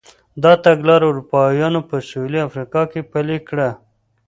دا تګلاره اروپایانو په سوېلي افریقا کې پلې کړه.